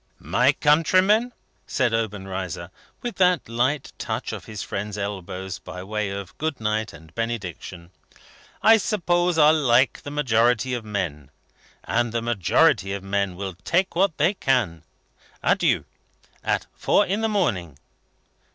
"My countrymen," said Obenreizer, with that light touch of his friend's elbows by way of Good Night and benediction, "I suppose are like the majority of men. And the majority of men will take what they can get. Adieu! At four in the morning."